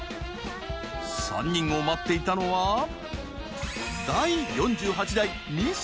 ３人を待っていたのは第４８代ミス